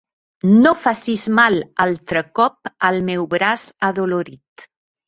No facis mal altre cop al meu braç adolorit.